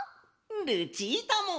ルチータも！